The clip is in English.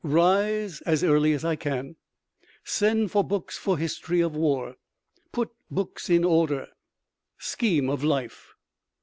Rise as early as I can. Send for books for history of war. Put books in order. Scheme of life.